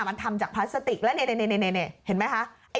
มันทำจากพลาสติกแล้วนี่เห็นไหมคะ